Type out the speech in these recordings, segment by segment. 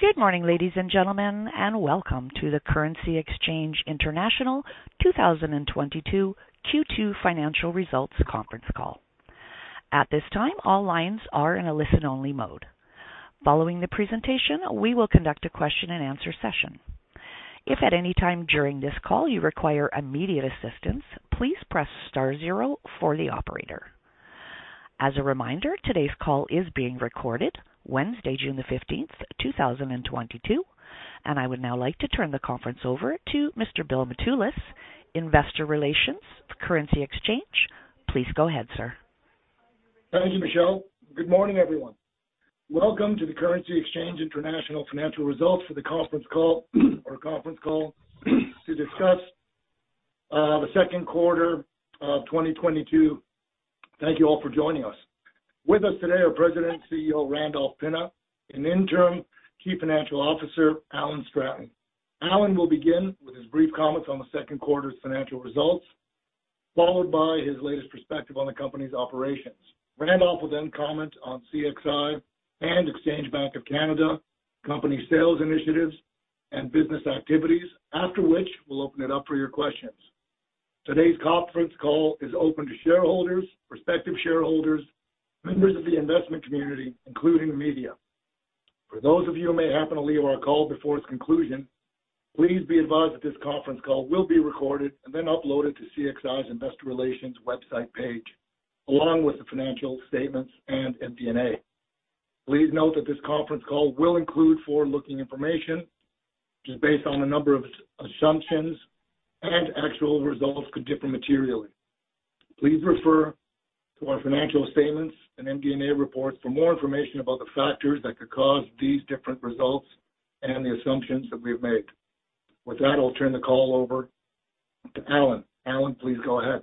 Good morning, ladies and gentlemen, and welcome to the Currency Exchange International 2022 Q2 Financial Results conference call. At this time, all lines are in a listen-only mode. Following the presentation, we will conduct a question and answer session. If at any time during this call you require immediate assistance, please press star zero for the operator. As a reminder, today's call is being recorded Wednesday, June the 15th, 2022. I would now like to turn the conference over to Mr. Bill Mitoulas, investor relations for Currency Exchange. Please go ahead, Sir. Thank you, Michelle. Good morning, everyone. Welcome to the Currency Exchange International Financial Results conference call to discuss the second quarter of 2022. Thank you all for joining us. With us today are President and CEO Randolph Pinna and Interim Chief Financial Officer Alan Stratton. Alan will begin with his brief comments on the second quarter's financial results, followed by his latest perspective on the company's operations. Randolph will then comment on CXI and Exchange Bank of Canada company sales initiatives and business activities. After which, we'll open it up for your questions. Today's conference call is open to shareholders, prospective shareholders, members of the investment community, including the media. For those of you who may happen to leave our call before its conclusion, please be advised that this conference call will be recorded and then uploaded to CXI's investor relations website page, along with the financial statements and MD&A. Please note that this conference call will include forward-looking information, which is based on a number of assumptions, and actual results could differ materially. Please refer to our financial statements and MD&A reports for more information about the factors that could cause these different results and the assumptions that we have made. With that, I'll turn the call over to Alan. Alan, please go ahead.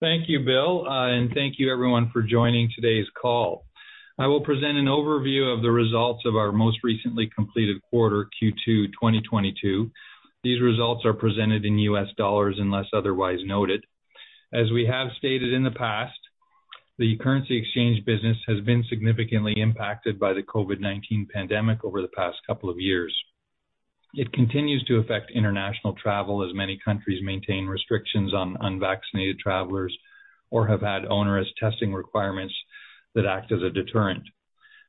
Thank you, Bill. Thank you everyone for joining today's call. I will present an overview of the results of our most recently completed quarter, Q2 2022. These results are presented in U.S. dollars, unless otherwise noted. As we have stated in the past, the currency exchange business has been significantly impacted by the COVID-19 pandemic over the past couple of years. It continues to affect international travel as many countries maintain restrictions on unvaccinated travelers or have had onerous testing requirements that act as a deterrent.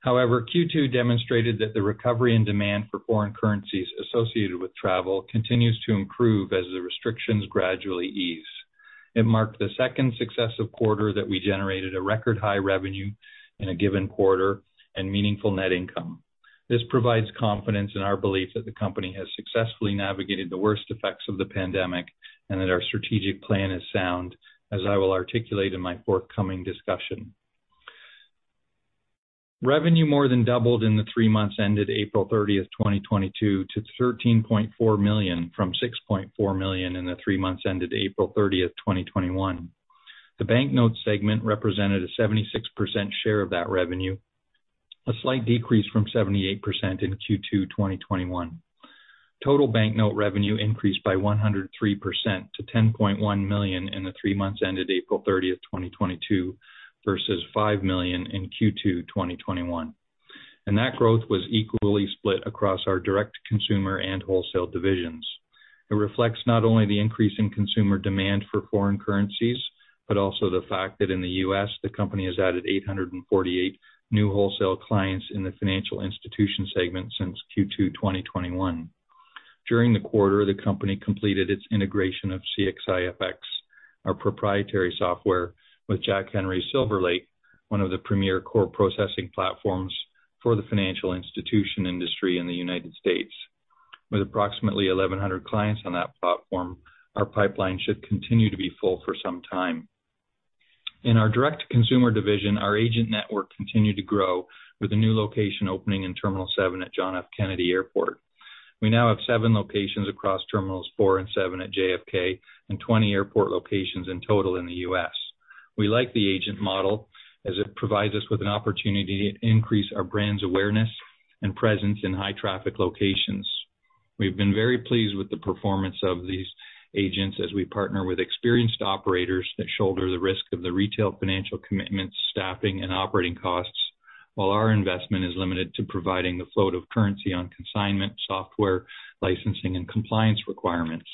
However, Q2 demonstrated that the recovery and demand for foreign currencies associated with travel continues to improve as the restrictions gradually ease. It marked the second successive quarter that we generated a record high revenue in a given quarter and meaningful net income. This provides confidence in our belief that the company has successfully navigated the worst effects of the pandemic, and that our strategic plan is sound, as I will articulate in my forthcoming discussion. Revenue more than doubled in the three months ended April 30th, 2022 to 13.4 million, from 6.4 million in the three months ended April 30th, 2021. The banknote segment represented a 76% share of that revenue, a slight decrease from 78% in Q2 2021. Total banknote revenue increased by 103% to 10.1 million in the three months ended April 30th, 2022, versus 5 million in Q2 2021. That growth was equally split across our direct consumer and wholesale divisions. It reflects not only the increase in consumer demand for foreign currencies, but also the fact that in the U.S., the company has added 848 new wholesale clients in the financial institution segment since Q2 2021. During the quarter, the company completed its integration of CEIFX, our proprietary software, with Jack Henry SilverLake, one of the premier core processing platforms for the financial institution industry in the United States. With approximately 1,100 clients on that platform, our pipeline should continue to be full for some time. In our direct consumer division, our agent network continued to grow with a new location opening in terminal seven at John F. Kennedy Airport. We now have seven locations across terminals four and seven at JFK and 20 airport locations in total in the U.S. We like the agent model as it provides us with an opportunity to increase our brand's awareness and presence in high traffic locations. We've been very pleased with the performance of these agents as we partner with experienced operators that shoulder the risk of the retail financial commitments, staffing, and operating costs, while our investment is limited to providing the float of currency on consignment, software, licensing, and compliance requirements.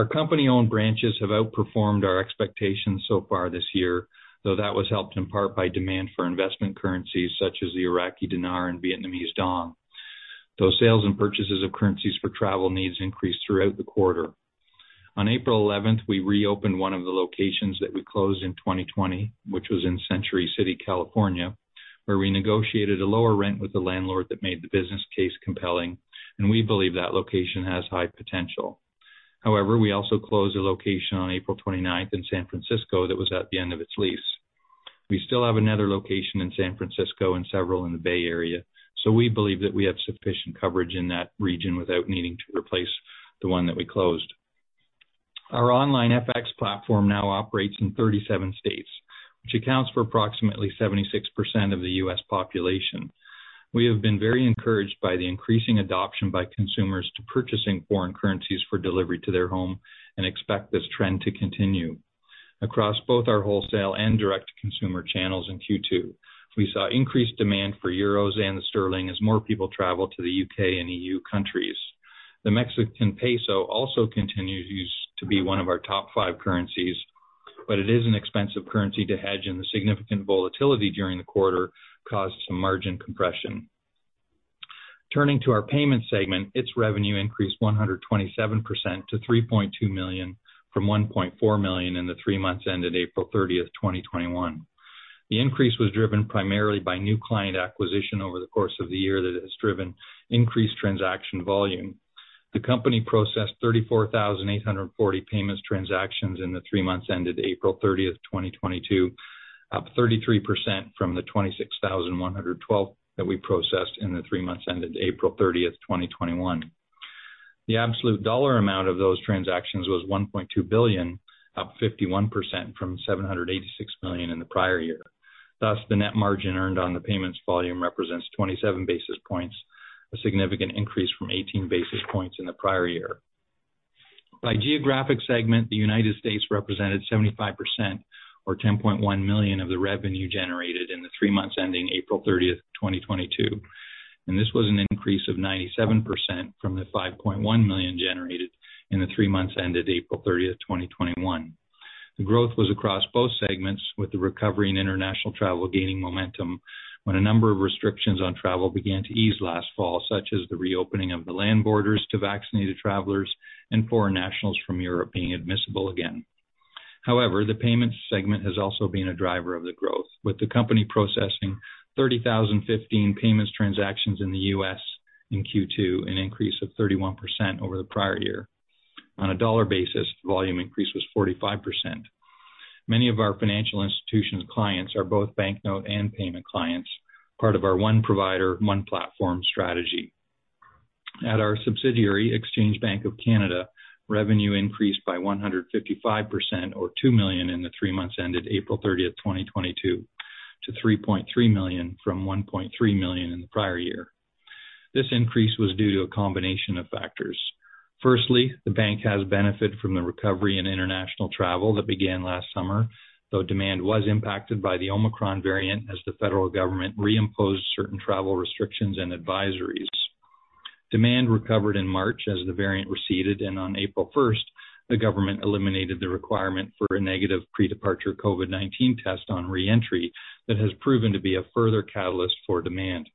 Our company-owned branches have outperformed our expectations so far this year, though that was helped in part by demand for investment currencies such as the Iraqi dinar and Vietnamese dong. Sales and purchases of currencies for travel needs increased throughout the quarter. On April 11th, we reopened one of the locations that we closed in 2020, which was in Century City, California, where we negotiated a lower rent with the landlord that made the business case compelling, and we believe that location has high potential. However, we also closed a location on April 29th in San Francisco that was at the end of its lease. We still have another location in San Francisco and several in the Bay Area, so we believe that we have sufficient coverage in that region without needing to replace the one that we closed. Our OnlineFX platform now operates in 37 states, which accounts for approximately 76% of the U.S. population. We have been very encouraged by the increasing adoption by consumers to purchasing foreign currencies for delivery to their home, and expect this trend to continue. Across both our wholesale and direct-to-consumer channels in Q2, we saw increased demand for euros and the sterling as more people travel to the UK and EU countries. The Mexican peso also continues to be one of our top five currencies, but it is an expensive currency to hedge, and the significant volatility during the quarter caused some margin compression. Turning to our payments segment, its revenue increased 127% to $3.2 million from $1.4 million in the three months ended April 30th, 2021. The increase was driven primarily by new client acquisition over the course of the year that has driven increased transaction volume. The company processed 34,840 payments transactions in the three months ended April 30th, 2022, up 33% from the 26,112 that we processed in the three months ended April 30th, 2021. The absolute dollar amount of those transactions was $1.2 billion, up 51% from $786 million in the prior year. Thus, the net margin earned on the payments volume represents 27 basis points, a significant increase from 18 basis points in the prior year. By geographic segment, the United States represented 75%, or $10.1 million of the revenue generated in the three months ending April 30th, 2022. This was an increase of 97% from the $5.1 million generated in the three months ended April 30th, 2021. The growth was across both segments, with the recovery in international travel gaining momentum when a number of restrictions on travel began to ease last fall, such as the reopening of the land borders to vaccinated travelers and foreign nationals from Europe being admissible again. However, the payments segment has also been a driver of the growth, with the company processing 30,015 payments transactions in the US in Q2, an increase of 31% over the prior year. On a dollar basis, volume increase was 45%. Many of our financial institutions clients are both banknote and payment clients, part of our One Provider, One Platform strategy. At our subsidiary, Exchange Bank of Canada, revenue increased by 155% or 2 million in the three months ended April 30th, 2022 to 3.3 million from 1.3 million in the prior year. This increase was due to a combination of factors. Firstly, the bank has benefited from the recovery in international travel that began last summer, though demand was impacted by the Omicron variant as the federal government reimposed certain travel restrictions and advisories. Demand recovered in March as the variant receded, and on April 1st, the government eliminated the requirement for a negative pre-departure COVID-19 test on re-entry that has proven to be a further catalyst for demand.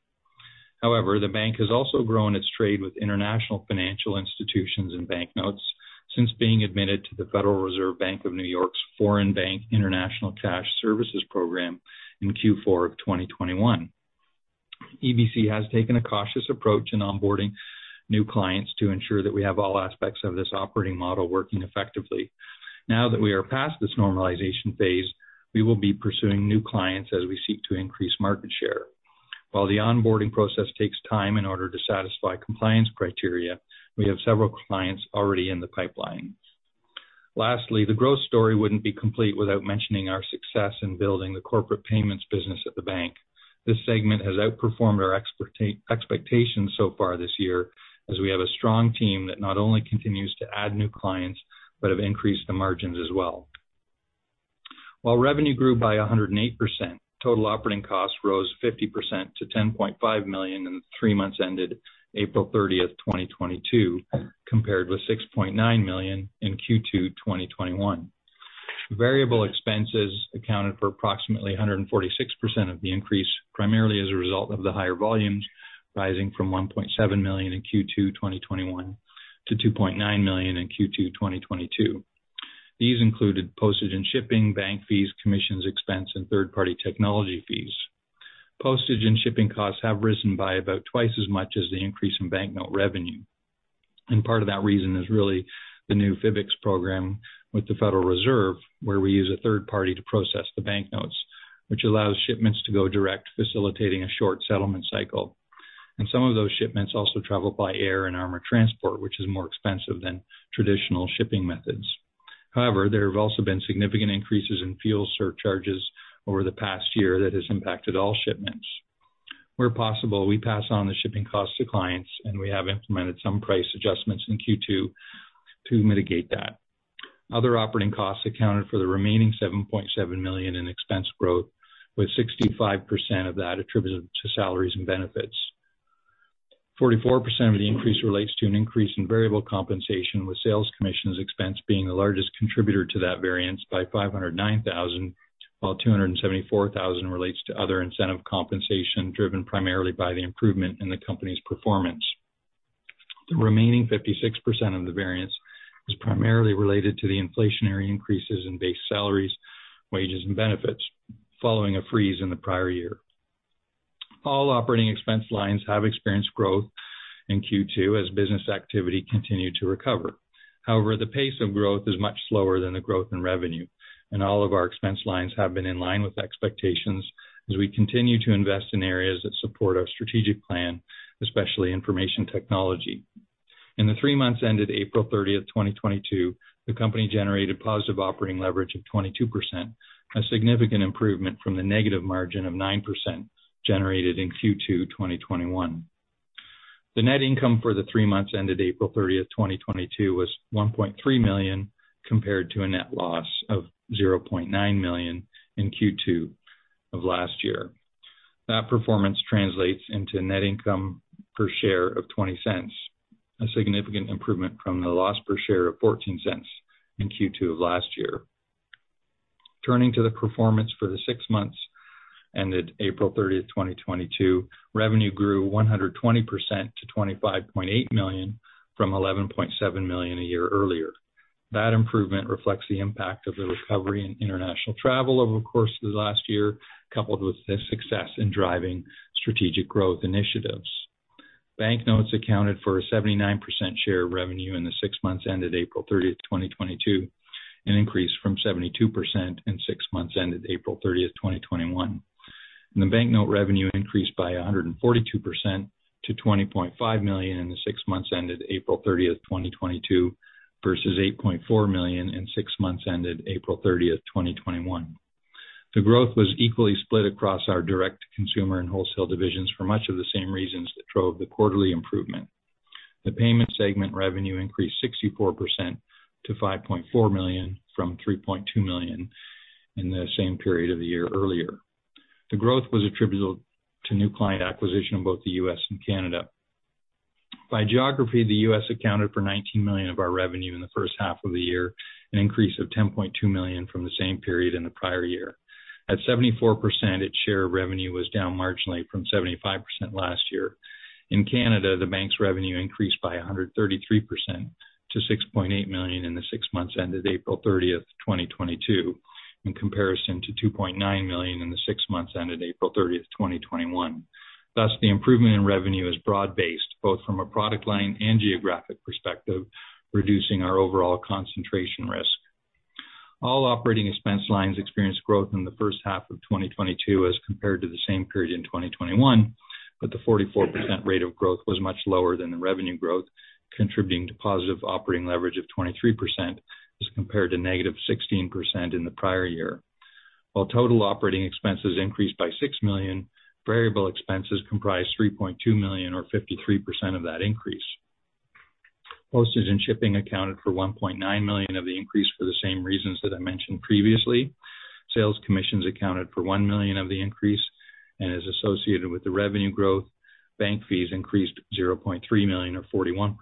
However, the bank has also grown its trade with international financial institutions and banknotes since being admitted to the Federal Reserve Bank of New York's Foreign Bank International Cash Services program in Q4 of 2021. EBC has taken a cautious approach in onboarding new clients to ensure that we have all aspects of this operating model working effectively. Now that we are past this normalization phase, we will be pursuing new clients as we seek to increase market share. While the onboarding process takes time in order to satisfy compliance criteria, we have several clients already in the pipeline. Lastly, the growth story wouldn't be complete without mentioning our success in building the corporate payments business at the bank. This segment has outperformed our expectations so far this year as we have a strong team that not only continues to add new clients, but have increased the margins as well. While revenue grew by 108%, total operating costs rose 50% to $10.5 million in the three months ended April 30th, 2022, compared with $6.9 million in Q2 2021. Variable expenses accounted for approximately 146% of the increase, primarily as a result of the higher volumes rising from 1.7 million in Q2 2021 to 2.9 million in Q2 2022. These included postage and shipping, bank fees, commissions expense, and third-party technology fees. Postage and shipping costs have risen by about twice as much as the increase in banknote revenue. Part of that reason is really the new FBICS program with the Federal Reserve, where we use a third party to process the banknotes, which allows shipments to go direct, facilitating a short settlement cycle. Some of those shipments also travel by air and armored transport, which is more expensive than traditional shipping methods. However, there have also been significant increases in fuel surcharges over the past year that has impacted all shipments. Where possible, we pass on the shipping costs to clients, and we have implemented some price adjustments in Q2 to mitigate that. Other operating costs accounted for the remaining $7.7 million in expense growth, with 65% of that attributed to salaries and benefits. 44% of the increase relates to an increase in variable compensation, with sales commissions expense being the largest contributor to that variance by $509,000 while $274,000 relates to other incentive compensation, driven primarily by the improvement in the company's performance. The remaining 56% of the variance is primarily related to the inflationary increases in base salaries, wages, and benefits following a freeze in the prior year. All operating expense lines have experienced growth in Q2 as business activity continued to recover. However, the pace of growth is much slower than the growth in revenue, and all of our expense lines have been in line with expectations as we continue to invest in areas that support our strategic plan, especially information technology. In the three months ended April 30th, 2022, the company generated positive operating leverage of 22%, a significant improvement from the negative margin of 9% generated in Q2 2021. The net income for the three months ended April 30th, 2022 was $1.3 million, compared to a net loss of $0.9 million in Q2 of last year. That performance translates into net income per share of $0.20, a significant improvement from the loss per share of $0.14 in Q2 of last year. Turning to the performance for the six months ended April 30th, 2022, revenue grew 120% to $25.8 million from $11.7 million a year earlier. That improvement reflects the impact of the recovery in international travel over the course of the last year, coupled with the success in driving strategic growth initiatives. Banknotes accounted for a 79% share of revenue in the six months ended April 30th, 2022, an increase from 72% in six months ended April 30, 2021. The banknote revenue increased by a 142% to $20.5 million in the six months ended April 30, 2022 versus $8.4 million in six months ended April 30th, 2021. The growth was equally split across our direct consumer and wholesale divisions for much of the same reasons that drove the quarterly improvement. The payment segment revenue increased 64% to $5.4 million from $3.2 million in the same period of the year earlier. The growth was attributable to new client acquisition in both the U.S. and Canada. By geography, the U.S. accounted for $19 million of our revenue in the first half of the year, an increase of $10.2 million from the same period in the prior year. At 74%, its share of revenue was down marginally from 75% last year. In Canada, the bank's revenue increased by 133% to $6.8 million in the six months ended April 30th, 2022, in comparison to $2.9 million in the six months ended April 30th, 2021. Thus, the improvement in revenue is broad-based, both from a product line and geographic perspective, reducing our overall concentration risk. All operating expense lines experienced growth in the first half of 2022 as compared to the same period in 2021, but the 44% rate of growth was much lower than the revenue growth, contributing to positive operating leverage of 23% as compared to -16% in the prior year. While total operating expenses increased by $6 million, variable expenses comprised $3.2 million or 53% of that increase. Postage and shipping accounted for $1.9 million of the increase for the same reasons that I mentioned previously. Sales commissions accounted for $1 million of the increase and is associated with the revenue growth. Bank fees increased $0.3 million or 41%,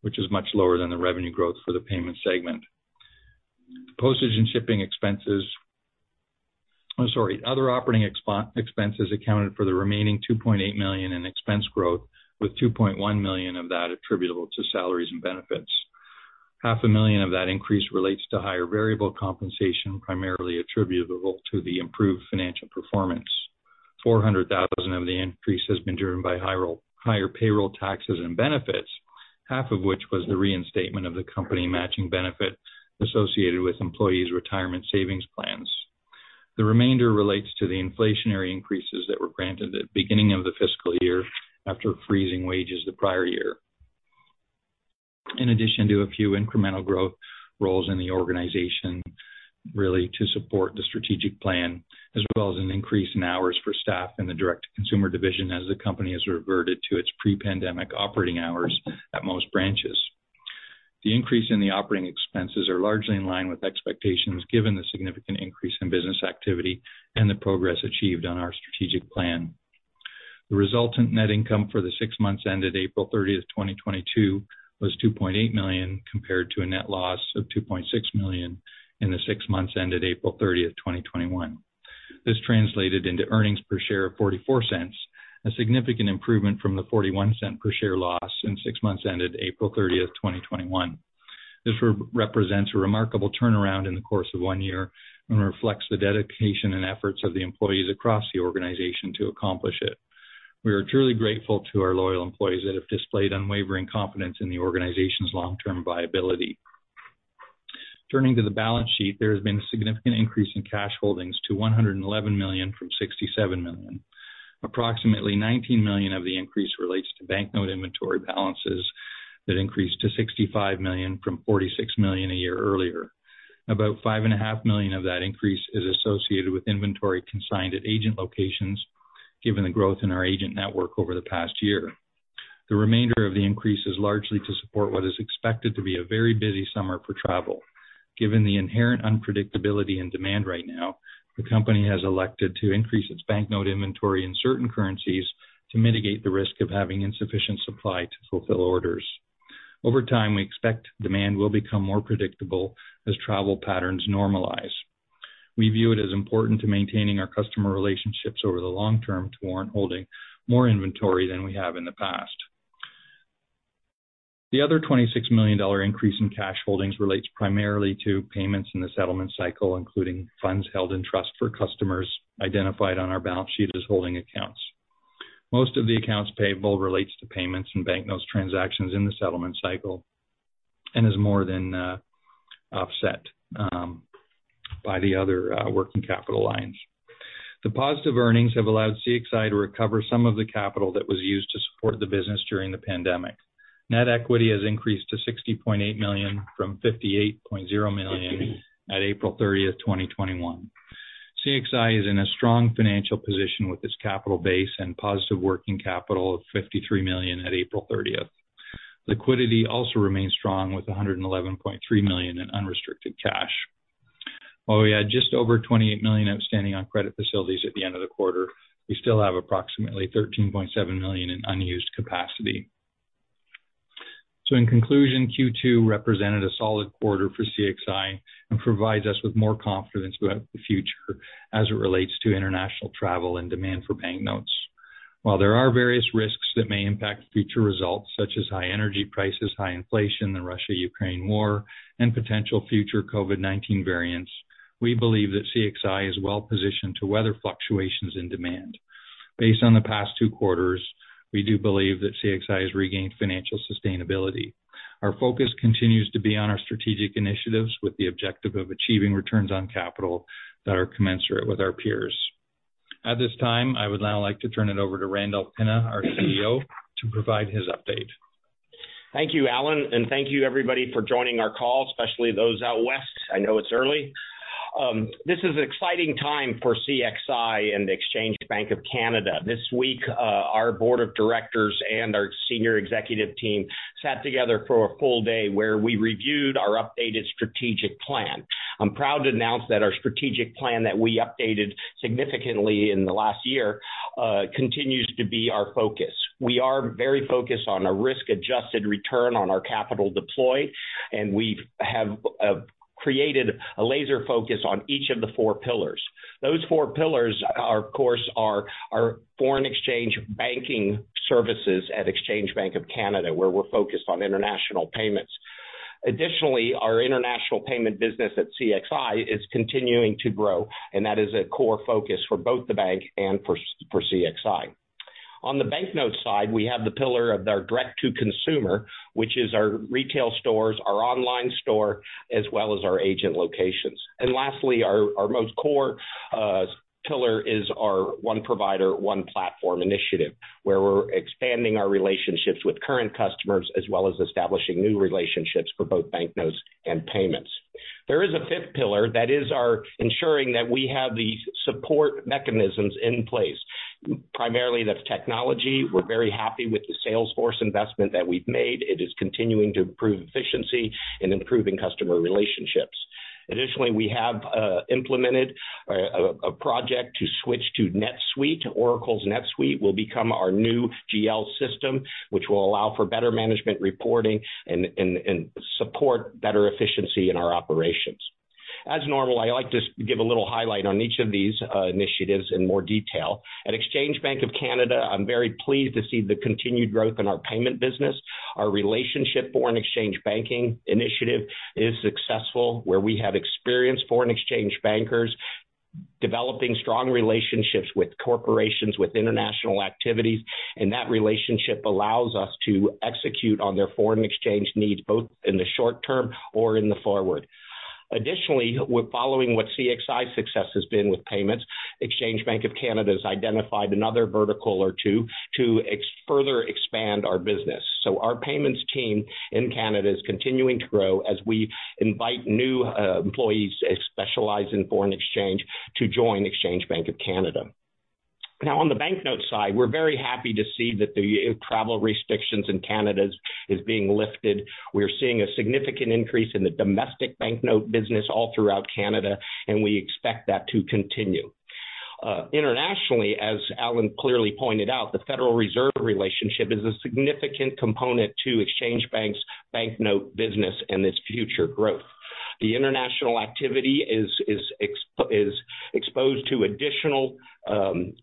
which is much lower than the revenue growth for the payment segment. Other operating expenses accounted for the remaining $2.8 million in expense growth, with $2.1 million of that attributable to salaries and benefits. Half a million of that increase relates to higher variable compensation, primarily attributable to the improved financial performance. $400,000 of the increase has been driven by higher payroll taxes and benefits, half of which was the reinstatement of the company matching benefit associated with employees' retirement savings plans. The remainder relates to the inflationary increases that were granted at beginning of the fiscal year after freezing wages the prior year. In addition to a few incremental growth roles in the organization, really to support the strategic plan, as well as an increase in hours for staff in the direct consumer division as the company has reverted to its pre-pandemic operating hours at most branches. The increase in the operating expenses are largely in line with expectations given the significant increase in business activity and the progress achieved on our strategic plan. The resultant net income for the six months ended April 30th, 2022 was $2.8 million compared to a net loss of $2.6 million in the six months ended April 30th, 2021. This translated into earnings per share of $0.44, a significant improvement from the $0.41 per share loss in six months ended April 30th, 2021. This represents a remarkable turnaround in the course of one year and reflects the dedication and efforts of the employees across the organization to accomplish it. We are truly grateful to our loyal employees that have displayed unwavering confidence in the organization's long-term viability. Turning to the balance sheet, there has been a significant increase in cash holdings to $111 million from $67 million. Approximately $19 million of the increase relates to banknote inventory balances that increased to $65 million from $46 million a year earlier. About $5.5 million of that increase is associated with inventory consigned at agent locations, given the growth in our agent network over the past year. The remainder of the increase is largely to support what is expected to be a very busy summer for travel. Given the inherent unpredictability in demand right now, the company has elected to increase its banknote inventory in certain currencies to mitigate the risk of having insufficient supply to fulfill orders. Over time, we expect demand will become more predictable as travel patterns normalize. We view it as important to maintaining our customer relationships over the long term to warrant holding more inventory than we have in the past. The other $26 million increase in cash holdings relates primarily to payments in the settlement cycle, including funds held in trust for customers identified on our balance sheet as holding accounts. Most of the accounts payable relates to payments and banknotes transactions in the settlement cycle and is more than offset by the other working capital lines. The positive earnings have allowed CXI to recover some of the capital that was used to support the business during the pandemic. Net equity has increased to $60.8 million from $58.0 million at April 30th, 2021. CXI is in a strong financial position with its capital base and positive working capital of $53 million at April 30th. Liquidity also remains strong with $111.3 million in unrestricted cash. While we had just over $28 million outstanding on credit facilities at the end of the quarter, we still have approximately $13.7 million in unused capacity. In conclusion, Q2 represented a solid quarter for CXI and provides us with more confidence about the future as it relates to international travel and demand for banknotes. While there are various risks that may impact future results such as high energy prices, high inflation, the Russia-Ukraine war, and potential future COVID-19 variants, we believe that CXI is well-positioned to weather fluctuations in demand. Based on the past two quarters, we do believe that CXI has regained financial sustainability. Our focus continues to be on our strategic initiatives with the objective of achieving returns on capital that are commensurate with our peers. At this time, I would now like to turn it over to Randolph Pinna, our CEO, to provide his update. Thank you, Alan, and thank you everybody for joining our call, especially those out west. I know it's early. This is an exciting time for CXI and Exchange Bank of Canada. This week, our board of directors and our senior executive team sat together for a full day where we reviewed our updated strategic plan. I'm proud to announce that our strategic plan that we updated significantly in the last year continues to be our focus. We are very focused on a risk-adjusted return on our capital deployed, and we have created a laser focus on each of the four pillars. Those four pillars are, of course, our foreign exchange banking services at Exchange Bank of Canada, where we're focused on international payments. Additionally, our international payment business at CXI is continuing to grow, and that is a core focus for both the bank and for CXI. On the banknote side, we have the pillar of our direct-to-consumer, which is our retail stores, our online store, as well as our agent locations. Lastly, our most core pillar is our One Provider, One Platform initiative, where we're expanding our relationships with current customers as well as establishing new relationships for both banknotes and payments. There is a fifth pillar that is our ensuring that we have the support mechanisms in place, primarily that's technology. We're very happy with the Salesforce investment that we've made. It is continuing to improve efficiency and improving customer relationships. Additionally, we have implemented a project to switch to NetSuite. Oracle's NetSuite will become our new GL system, which will allow for better management reporting and support better efficiency in our operations. As normal, I like to give a little highlight on each of these initiatives in more detail. At Exchange Bank of Canada, I'm very pleased to see the continued growth in our payment business. Our relationship foreign exchange banking initiative is successful, where we have experienced foreign exchange bankers developing strong relationships with corporations with international activities, and that relationship allows us to execute on their foreign exchange needs, both in the short term or in the forward. Additionally, we're following what CXI's success has been with payments. Exchange Bank of Canada has identified another vertical or two to further expand our business. Our payments team in Canada is continuing to grow as we invite new employees specialized in foreign exchange to join Exchange Bank of Canada. Now on the banknote side, we're very happy to see that the travel restrictions in Canada is being lifted. We're seeing a significant increase in the domestic banknote business all throughout Canada, and we expect that to continue. Internationally, as Alan clearly pointed out, the Federal Reserve relationship is a significant component to Exchange Bank's banknote business and its future growth. The international activity is exposed to additional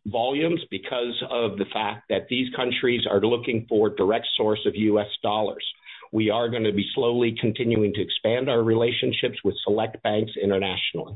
volumes because of the fact that these countries are looking for direct source of U.S. dollars. We are gonna be slowly continuing to expand our relationships with select banks internationally.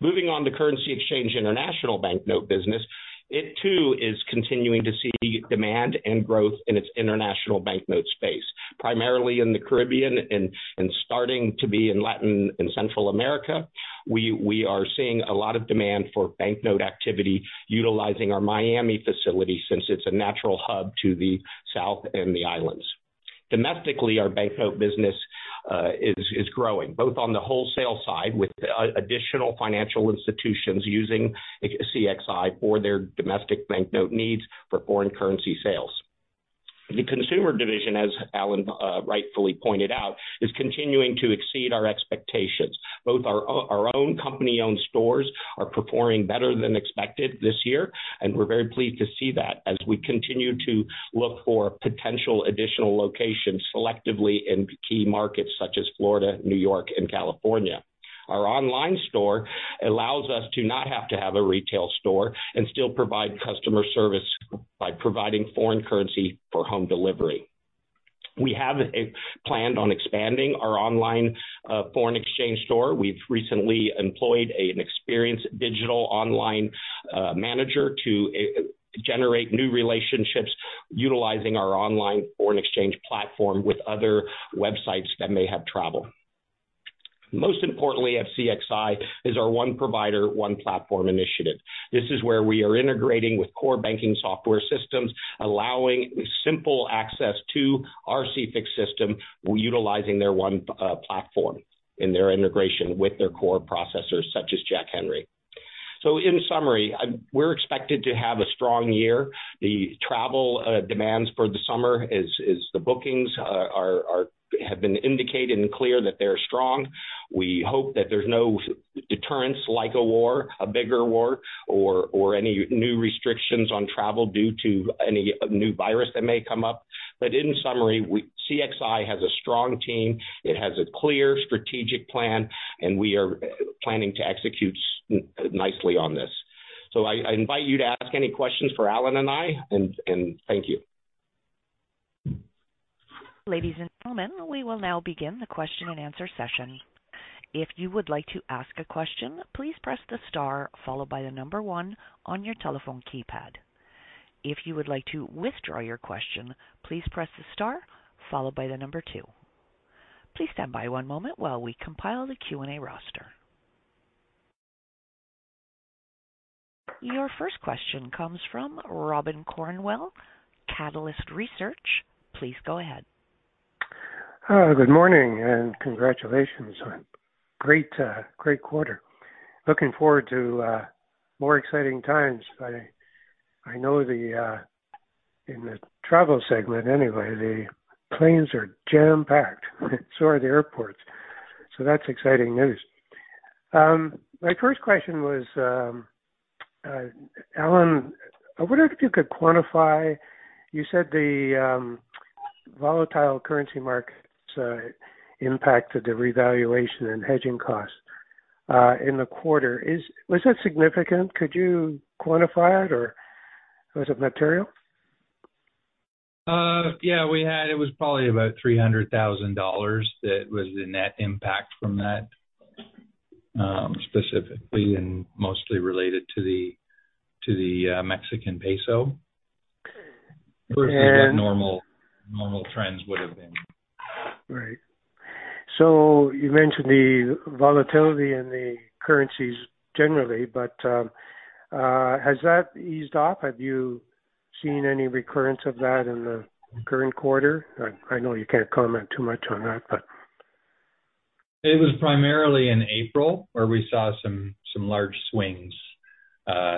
Moving on to Currency Exchange International banknote business, it too is continuing to see demand and growth in its international banknote space, primarily in the Caribbean and starting to be in Latin and Central America. We are seeing a lot of demand for banknote activity utilizing our Miami facility since it's a natural hub to the south and the islands. Domestically, our banknote business is growing, both on the wholesale side with additional financial institutions using CXI for their domestic banknote needs for foreign currency sales. The consumer division, as Alan rightfully pointed out, is continuing to exceed our expectations. Both our own company-owned stores are performing better than expected this year, and we're very pleased to see that as we continue to look for potential additional locations selectively in key markets such as Florida, New York, and California. Our online store allows us to not have to have a retail store and still provide customer service by providing foreign currency for home delivery. We have planned on expanding our online foreign exchange store. We've recently employed an experienced digital online manager to generate new relationships utilizing our online foreign exchange platform with other websites that may have travel. Most importantly at CXI is our One Provider, One Platform initiative. This is where we are integrating with core banking software systems, allowing simple access to our CEIFX system, utilizing their one platform in their integration with their core processors such as Jack Henry. In summary, we're expected to have a strong year. The travel demands for the summer is the bookings have been indicated and clear that they're strong. We hope that there's no deterrence, like a war, a bigger war or any new restrictions on travel due to any new virus that may come up. In summary, we CXI has a strong team, it has a clear strategic plan, and we are planning to execute nicely on this. I invite you to ask any questions for Alan and I, and thank you. Ladies and gentlemen, we will now begin the question-and-answer session. If you would like to ask a question, please press the star followed by the number one on your telephone keypad. If you would like to withdraw your question, please press the star followed by the number two. Please stand by one moment while we compile the Q&A roster. Your first question comes from Robin Cornwell, Catalyst Equity Research. Please go ahead. Hi. Good morning and congratulations on great quarter. Looking forward to more exciting times. I know in the travel segment anyway, the planes are jam-packed, so are the airports. That's exciting news. My first question was Alan, I wonder if you could quantify. You said the volatile currency markets impacted the revaluation and hedging costs in the quarter. Was that significant? Could you quantify it or was it material? Yeah, it was probably about $300,000 that was the net impact from that, specifically and mostly related to the Mexican peso versus what normal trends would have been. Right. You mentioned the volatility in the currencies generally, but has that eased off? Have you seen any recurrence of that in the current quarter? I know you can't comment too much on that, but. It was primarily in April where we saw some large swings,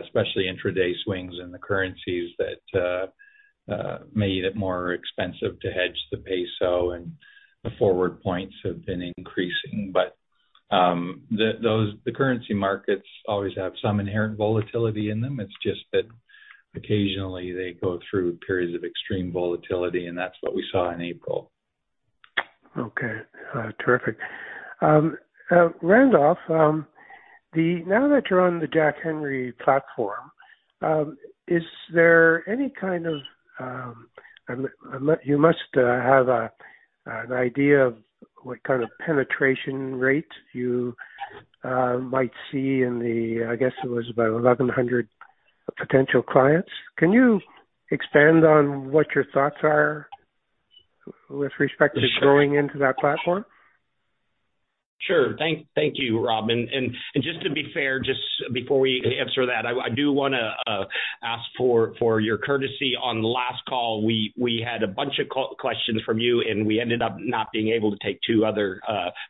especially intraday swings in the currencies that made it more expensive to hedge the peso, and the forward points have been increasing. The currency markets always have some inherent volatility in them. It's just that occasionally they go through periods of extreme volatility, and that's what we saw in April. Okay. Terrific. Randolph, now that you're on the Jack Henry platform, is there any kind of you must have an idea of what kind of penetration rate you might see in the, I guess it was about 1,100 potential clients. Can you expand on what your thoughts are with respect to going into that platform? Sure. Thank you, Robin. Just to be fair, just before we answer that, I do wanna ask for your courtesy. On the last call, we had a bunch of questions from you, and we ended up not being able to take two other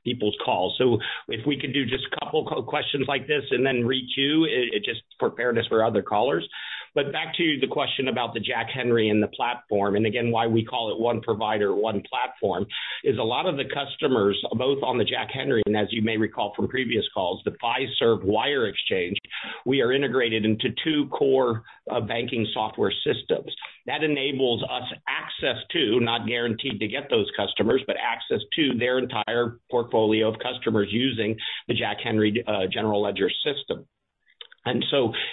people's calls. If we could do just a couple of questions like this and then re-queue it just prepared us for other callers. Back to the question about the Jack Henry and the platform, and again, why we call it One Provider, One Platform is a lot of the customers both on the Jack Henry, and as you may recall from previous calls, the Fiserv WireXchange, we are integrated into two core banking software systems. That enables us access to, not guaranteed to get those customers, but access to their entire portfolio of customers using the Jack Henry general ledger system.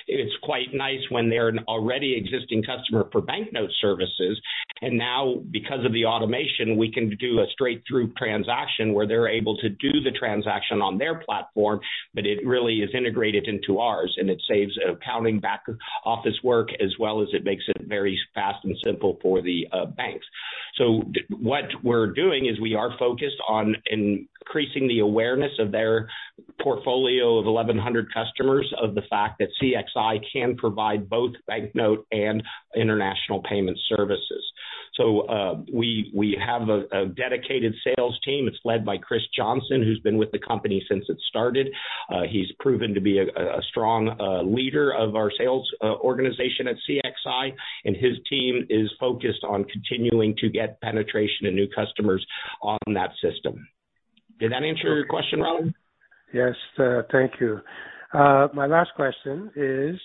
It's quite nice when they're an already existing customer for banknote services. Now because of the automation, we can do a straight-through transaction where they're able to do the transaction on their platform, but it really is integrated into ours, and it saves accounting back-office work as well as it makes it very fast and simple for the banks. What we're doing is we are focused on increasing the awareness of their portfolio of 1,100 customers of the fact that CXI can provide both banknote and international payment services. We have a dedicated sales team. It's led by Chris Johnson, who's been with the company since it started. He's proven to be a strong leader of our sales organization at CXI, and his team is focused on continuing to get penetration and new customers on that system. Did that answer your question, Robin? Yes. Thank you. My last question is,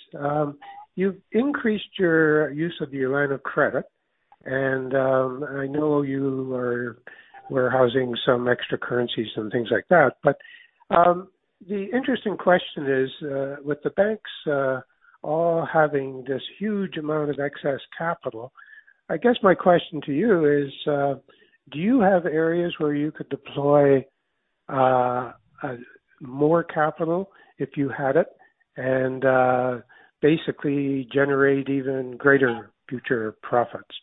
you've increased your use of your line of credit, and I know you are warehousing some extra currencies and things like that. The interesting question is, with the banks all having this huge amount of excess capital, I guess my question to you is, do you have areas where you could deploy more capital if you had it and basically generate even greater future profits?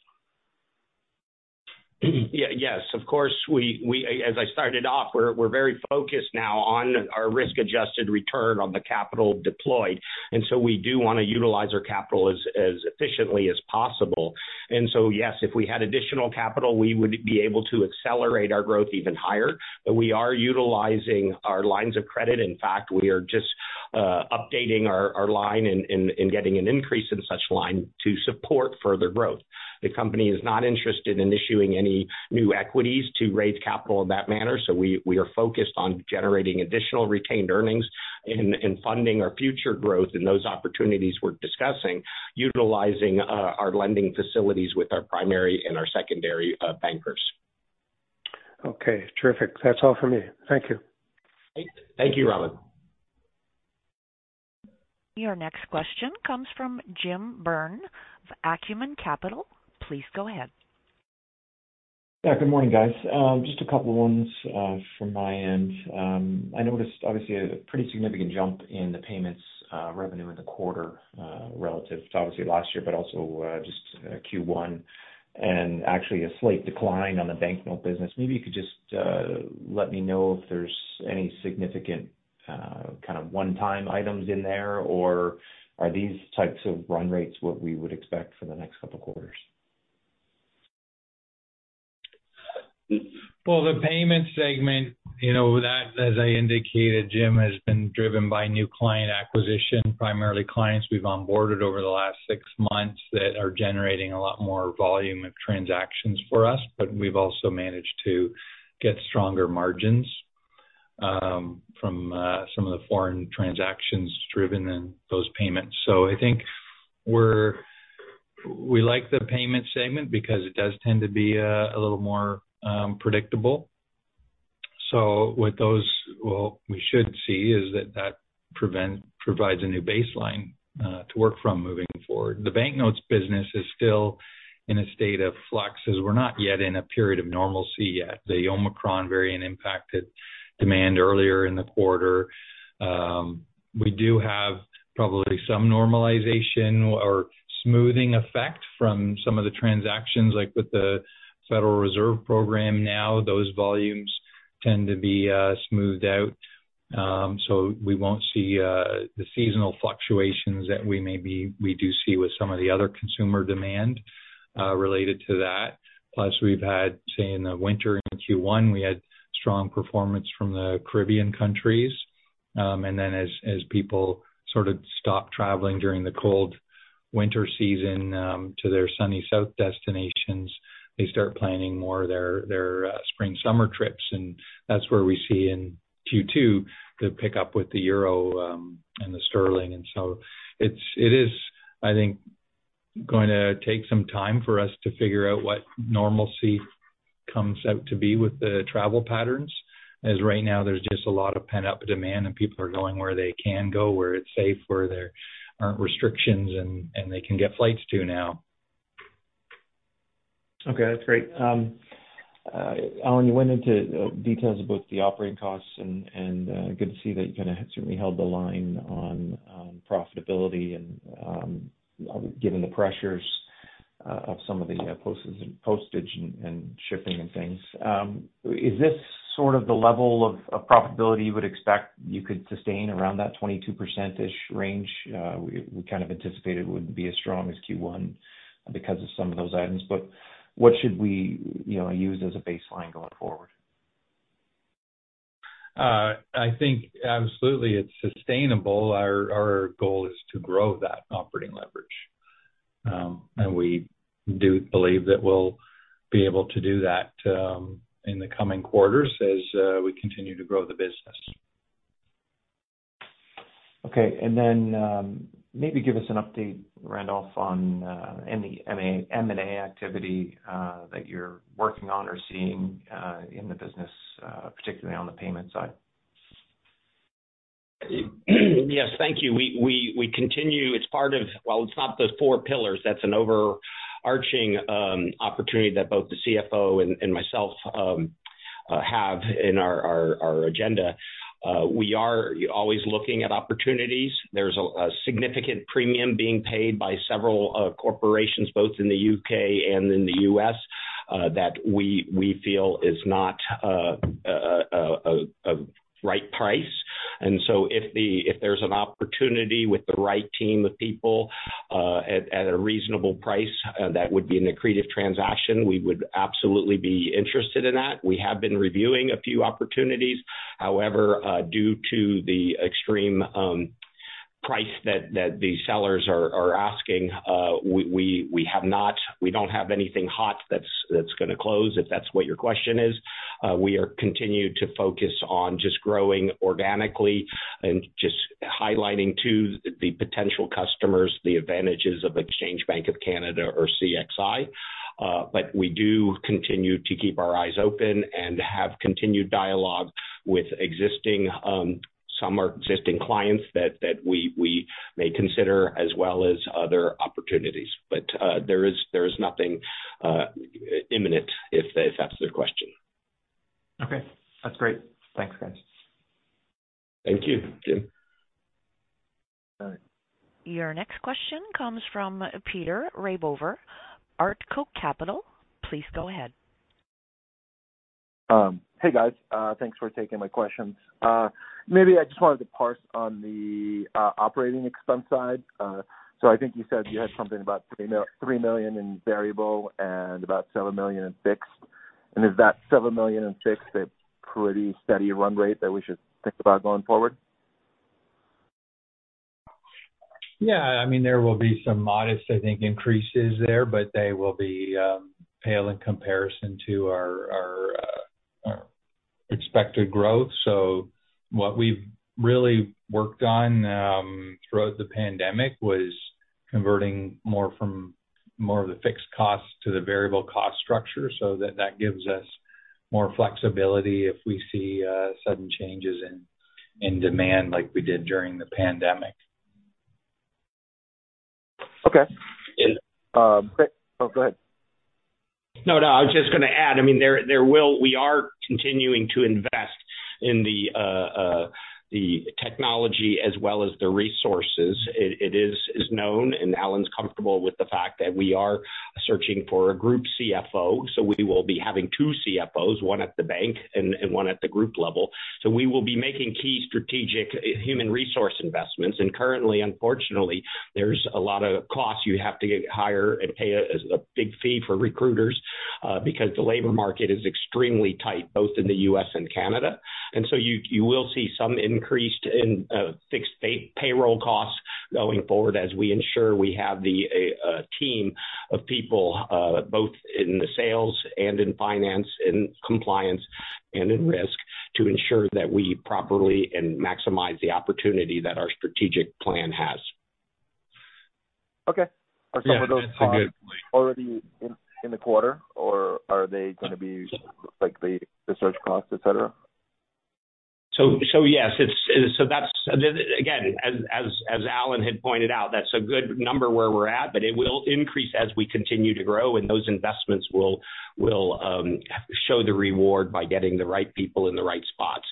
Yes, of course, as I started off, we're very focused now on our risk-adjusted return on the capital deployed, and so we do wanna utilize our capital as efficiently as possible. Yes, if we had additional capital, we would be able to accelerate our growth even higher. We are utilizing our lines of credit. In fact, we are just updating our line and getting an increase in such line to support further growth. The company is not interested in issuing any new equities to raise capital in that manner, so we are focused on generating additional retained earnings in funding our future growth and those opportunities we're discussing utilizing our lending facilities with our primary and our secondary bankers. Okay. Terrific. That's all for me. Thank you. Thank you, Robin. Your next question comes from Jim Byrne of Acumen Capital. Please go ahead. Yeah. Good morning, guys. Just a couple ones from my end. I noticed obviously a pretty significant jump in the payments revenue in the quarter relative to obviously last year, but also just Q1, and actually a slight decline on the bank note business. Maybe you could just let me know if there's any significant one-time items in there, or are these types of run rates what we would expect for the next couple quarters? Well, the payment segment, you know, that, as I indicated, Jim, has been driven by new client acquisition, primarily clients we've onboarded over the last six months that are generating a lot more volume of transactions for us, but we've also managed to get stronger margins from some of the foreign transactions driven in those payments. We like the payment segment because it does tend to be a little more predictable. With those, we should see is that provides a new baseline to work from moving forward. The bank notes business is still in a state of flux, as we're not yet in a period of normalcy yet. The Omicron variant impacted demand earlier in the quarter. We do have probably some normalization or smoothing effect from some of the transactions, like with the Federal Reserve program now, those volumes tend to be smoothed out. We won't see the seasonal fluctuations that we do see with some of the other consumer demand related to that. Plus, we've had, say, in the winter in Q1, we had strong performance from the Caribbean countries. As people sort of stop traveling during the cold winter season to their sunny south destinations, they start planning more their spring summer trips, and that's where we see in Q2 the pickup with the euro and the sterling. It is, I think, going to take some time for us to figure out what normalcy comes out to be with the travel patterns. As right now there's just a lot of pent-up demand, and people are going where they can go, where it's safe, where there aren't restrictions and they can get flights to now. Okay. That's great. Alan, you went into details of both the operating costs and good to see that you kinda certainly held the line on profitability and given the pressures of some of the postage and shipping and things. Is this sort of the level of profitability you would expect you could sustain around that 22% range? We kind of anticipated it wouldn't be as strong as Q1 because of some of those items, but what should we, you know, use as a baseline going forward? I think absolutely it's sustainable. Our goal is to grow that operating leverage. We do believe that we'll be able to do that, in the coming quarters as we continue to grow the business. Okay. Maybe give us an update, Randolph, on any M&A activity that you're working on or seeing in the business, particularly on the payment side? Yes. Thank you. We continue. It's not the four pillars. That's an overarching opportunity that both the CFO and myself have in our agenda. We are always looking at opportunities. There's a significant premium being paid by several corporations, both in the U.K. and in the U.S., that we feel is not a right price. If there's an opportunity with the right team of people at a reasonable price, that would be an accretive transaction, we would absolutely be interested in that. We have been reviewing a few opportunities. However, due to the extreme price that the sellers are asking, we don't have anything hot that's gonna close, if that's what your question is. We continue to focus on just growing organically and just highlighting to the potential customers the advantages of Exchange Bank of Canada or CXI. We do continue to keep our eyes open and have continued dialogue with some existing clients that we may consider as well as other opportunities. There is nothing imminent if that's the question. Okay. That's great. Thanks, guys. Thank you, Jim. Your next question comes from Peter Rabover, Artko Capital. Please go ahead. Hey guys, thanks for taking my questions. Maybe I just wanted to parse on the operating expense side. I think you said you had something about $3 million in variable and about $7 million in fixed. Is that $7 million in fixed a pretty steady run rate that we should think about going forward? Yeah, I mean, there will be some modest, I think, increases there, but they will be pale in comparison to our expected growth. What we've really worked on throughout the pandemic was converting more of the fixed cost to the variable cost structure so that gives us more flexibility if we see sudden changes in demand like we did during the pandemic. Okay. Oh, go ahead. No, I was just gonna add, I mean, we are continuing to invest in the technology as well as the resources. It is known, and Alan's comfortable with the fact that we are searching for a group CFO. We will be having two CFOs, one at the bank and one at the group level. We will be making key strategic human resource investments. Currently, unfortunately, there's a lot of costs you have to hire and pay a big fee for recruiters, because the labor market is extremely tight both in the U.S. and Canada. You will see some increase in fixed payroll costs going forward as we ensure we have a team of people both in the sales and in finance and compliance and in risk to ensure that we properly and maximize the opportunity that our strategic plan has. Okay. Yeah, that's a good point. Are some of those costs already in the quarter or are they gonna be like the search costs, etc.? Again, as Alan had pointed out, that's a good number where we're at, but it will increase as we continue to grow, and those investments will show the reward by getting the right people in the right spots.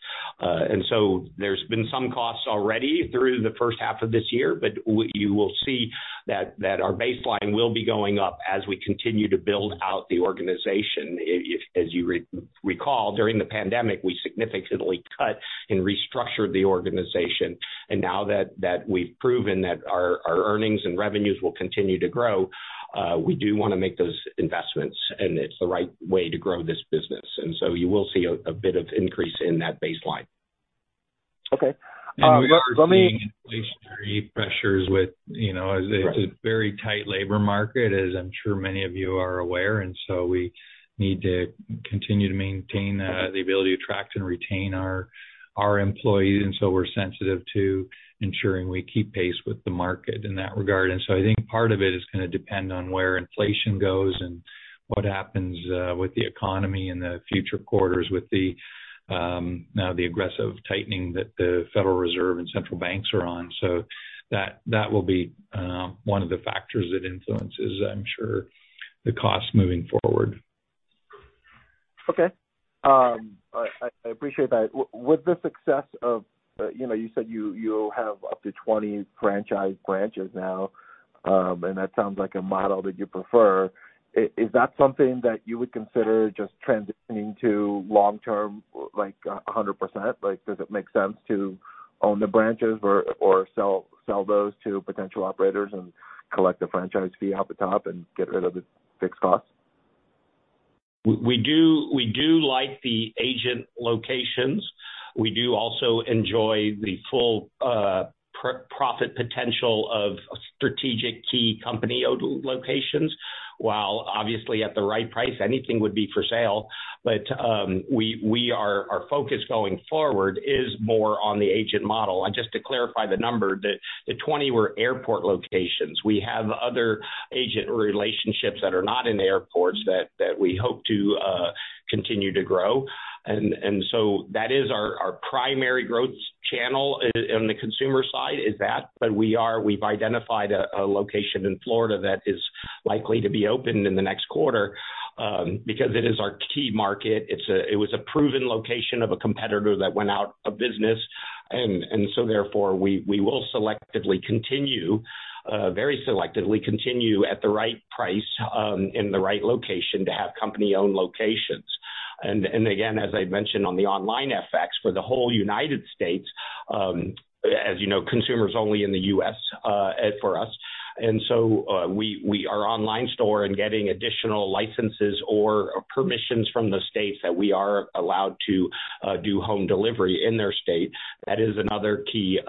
There's been some costs already through the first half of this year, but you will see that our baseline will be going up as we continue to build out the organization. As you recall, during the pandemic, we significantly cut and restructured the organization. Now that we've proven that our earnings and revenues will continue to grow, we do wanna make those investments, and it's the right way to grow this business. You will see a bit of increase in that baseline. Okay. Let me We are seeing inflationary pressures with, you know. Right. It's a very tight labor market, as I'm sure many of you are aware. We need to continue to maintain the ability to attract and retain our employees. We're sensitive to ensuring we keep pace with the market in that regard. I think part of it is gonna depend on where inflation goes and what happens with the economy in the future quarters with the now aggressive tightening that the Federal Reserve and central banks are on. That will be one of the factors that influences, I'm sure, the cost moving forward. Okay. I appreciate that. With the success of, you know, you said you have up to 20 franchise branches now, and that sounds like a model that you prefer. Is that something that you would consider just transitioning to long-term, like, 100%? Like, does it make sense to own the branches or sell those to potential operators and collect a franchise fee off the top and get rid of the fixed costs? We do like the agent locations. We do also enjoy the full profit potential of strategic key company-owned locations. While obviously at the right price, anything would be for sale. Our focus going forward is more on the agent model. Just to clarify the number, the 20 were airport locations. We have other agent relationships that are not in airports that we hope to continue to grow. That is our primary growth channel in the consumer side. We've identified a location in Florida that is likely to be opened in the next quarter, because it is our key market. It was a proven location of a competitor that went out of business. We will very selectively continue at the right price and the right location to have company-owned locations. Again, as I mentioned on the OnlineFX for the whole United States, as you know, consumers only in the U.S. for us. We are expanding our online store and getting additional licenses or permissions from the states that we are allowed to do home delivery in their state. That is another key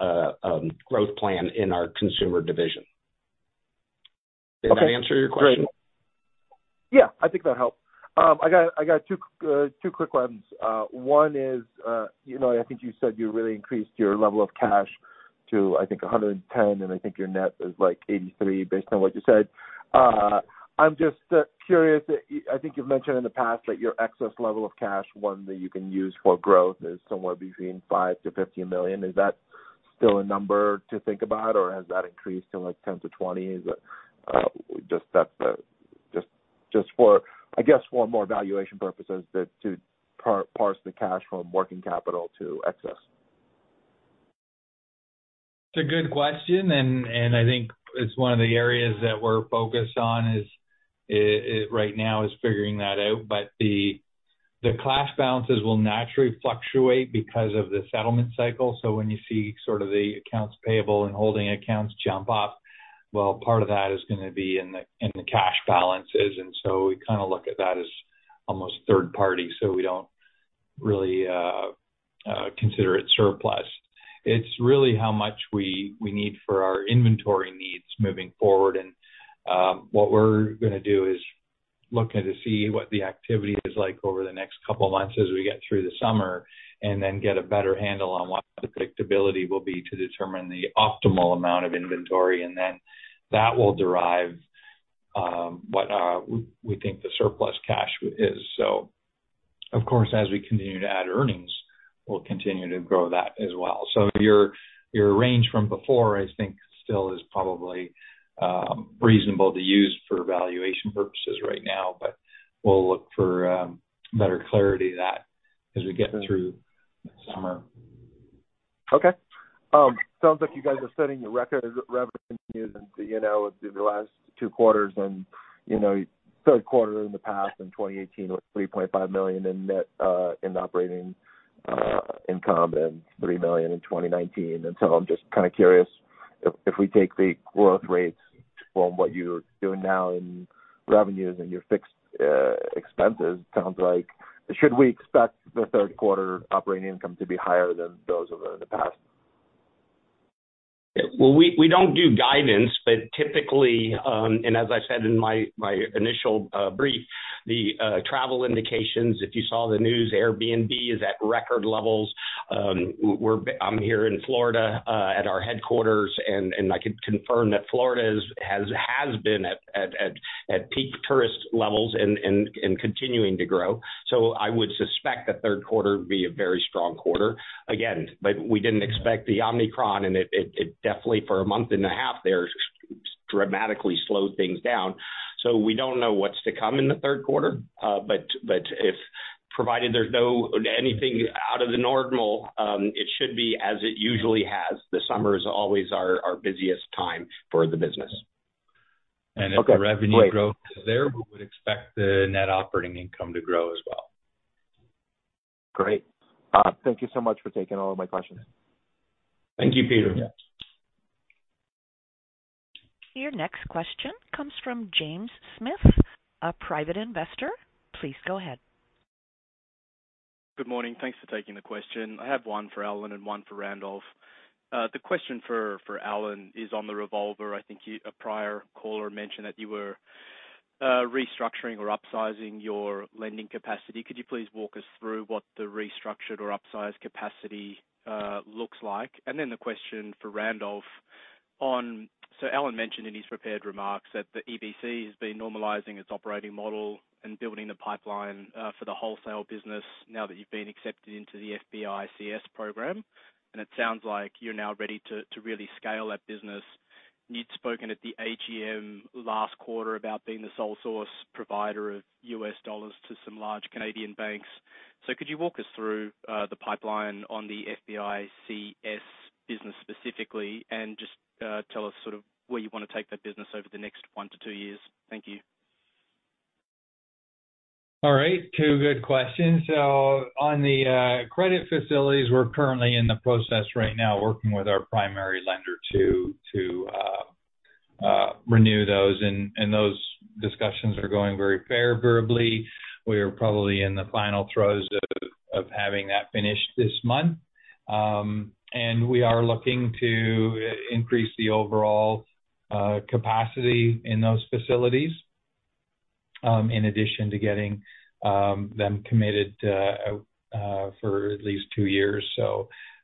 growth plan in our consumer division. Okay. Does that answer your question? Great. Yeah, I think that helped. I got two quick ones. One is, you know, I think you said you really increased your level of cash to, I think, 110, and I think your net is, like, 83, based on what you said. I'm just curious. I think you've mentioned in the past that your excess level of cash, one that you can use for growth, is somewhere between $5-50 million. Is that still a number to think about, or has that increased to, like, $10-20 million? Is it just for, I guess, for more valuation purposes to parse the cash from working capital to excess. It's a good question. I think it's one of the areas that we're focused on right now, figuring that out. The cash balances will naturally fluctuate because of the settlement cycle. When you see sort of the accounts payable and holding accounts jump up, part of that is gonna be in the cash balances. We kind of look at that as almost third party. We don't really consider it surplus. It's really how much we need for our inventory needs moving forward. What we're gonna do is look at to see what the activity is like over the next couple of months as we get through the summer, and then get a better handle on what predictability will be to determine the optimal amount of inventory. That will derive what we think the surplus cash is. Of course, as we continue to add earnings, we'll continue to grow that as well. Your range from before, I think, still is probably reasonable to use for valuation purposes right now, but we'll look for better clarity to that as we get through the summer. Okay. Sounds like you guys are setting the record revenue, you know, through the last two quarters and, you know, third quarter in the past in 2018 was $3.5 million in net, in operating, income and $3 million in 2019. I'm just kind of curious if we take the growth rates from what you're doing now in revenues and your fixed expenses, sounds like should we expect the third quarter operating income to be higher than those over the past? Well, we don't do guidance, but typically, and as I said in my initial brief, the travel indications, if you saw the news, Airbnb is at record levels. We're here in Florida at our headquarters and I can confirm that Florida has been at peak tourist levels and continuing to grow. I would suspect that third quarter would be a very strong quarter. Again, we didn't expect the Omicron and it definitely for a month and a half there dramatically slowed things down. We don't know what's to come in the third quarter. If provided there's nothing out of the normal, it should be as it usually has. The summer is always our busiest time for the business. If the revenue growth is there, we would expect the net operating income to grow as well. Great. Thank you so much for taking all of my questions. Thank you, Peter. Yeah. Your next question comes from James Smith, a Private Investor. Please go ahead. Good morning. Thanks for taking the question. I have one for Alan and one for Randolph. The question for Alan is on the revolver. I think a prior caller mentioned that you were restructuring or upsizing your lending capacity. Could you please walk us through what the restructured or upsized capacity looks like? Then the question for Randolph. Alan mentioned in his prepared remarks that the EBC has been normalizing its operating model and building the pipeline for the wholesale business now that you've been accepted into the FBICS program. It sounds like you're now ready to really scale that business. You'd spoken at the AGM last quarter about being the sole source provider of U.S. dollars to some large Canadian banks. Could you walk us through the pipeline on the FBICS business specifically, and just tell us sort of where you wanna take that business over the next one to two years? Thank you. All right, two good questions. On the credit facilities, we're currently in the process right now working with our primary lender to renew those, and those discussions are going very favorably. We're probably in the final throes of having that finished this month. We are looking to increase the overall capacity in those facilities in addition to getting them committed for at least two years.